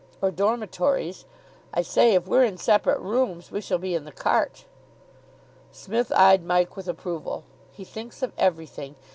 "Or dormitories. I say, if we're in separate rooms we shall be in the cart." Psmith eyed Mike with approval. "He thinks of everything!